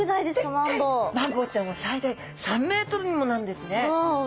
マンボウちゃんは最大３ｍにもなるんですね。